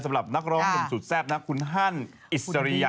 สำหรับนักร้องหนุ่มสุดแซ่บนะคุณฮันอิสริยะ